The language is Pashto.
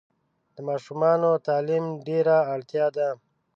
د ماشومانو تعلیم ډېره اړتیا ده.